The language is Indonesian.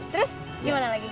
terus gimana lagi